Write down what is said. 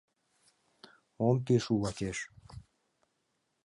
Ом пиж у лакеш